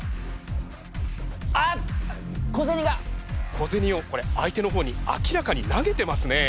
小銭をこれ相手の方に明らかに投げてますね。